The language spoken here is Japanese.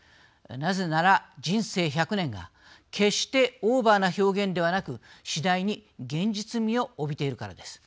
なぜなら、人生１００年が決してオーバーな表現ではなく次第に現実味を帯びているからです。